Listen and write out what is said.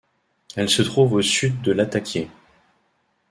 Elle se trouve au sud de Lattaquié.